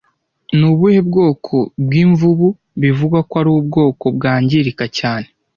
Ni ubuhe bwoko bw'imvubu bivugwa ko ari ubwoko bwangirika cyane